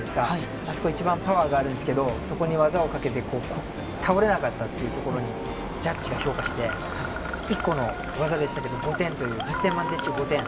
あそこ一番パワーがあるんですけど、そこに技をかけて、倒れなかったというところにジャッジが評価して、１個の技でしたけど、５点という、１０点満点中５点。